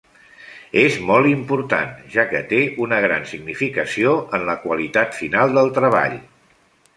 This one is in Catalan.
És molt important, ja que té una gran significació en la qualitat final del treball.